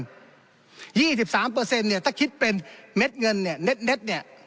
๒๓ถ้าคิดเป็นเม็ดเงินเน็ด